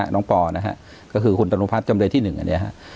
น้องปอร์นะฮะก็คือคุณตานุพัฒน์จำเลยที่๑อันเนี่ย